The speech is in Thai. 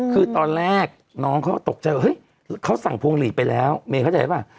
คือตอนแรกน้องเขาก็ตกใจเฮ้ยเขาสั่งพวงหลีดไปแล้วเมย์เข้าใจป่ะ